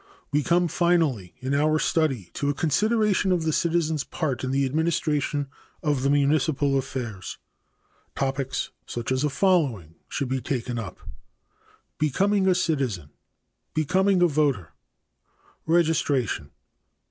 We come finally in our study to a consideration of the citizen's part in the administration of municipal affairs. Topics such as the following should be taken up: Becoming a citizen. Becoming a voter. Registration.